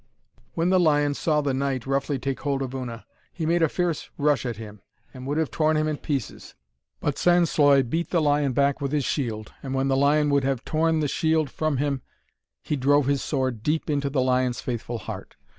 When the lion saw the knight roughly take hold of Una, he made a fierce rush at him, and would have torn him in pieces; but Sansloy beat the lion back with his shield, and when the lion would have torn the shield from him, he drove his sword deep into the lion's faithful heart.